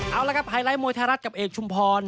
เอาละครับไฮไลท์มวยไทยรัฐกับเอกชุมพร